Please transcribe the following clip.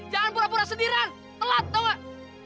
jangan pura pura sedih ran telat tau gak